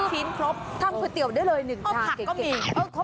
ทั้งผัดเตี๋ยวได้เลย๑ทางเก่ง